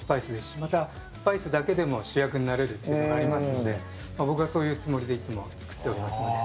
またスパイスだけでも主役になれるというのがありますので僕はそういうつもりでいつも作っております。